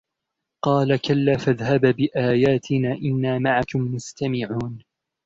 قَالَ كَلَّا فَاذْهَبَا بِآيَاتِنَا إِنَّا مَعَكُمْ مُسْتَمِعُونَ